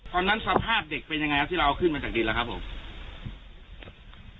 ความนั้นสภาพเด็กเป็นยังไงที่เราเอาขึ้นมาจากดินแล้วครับผม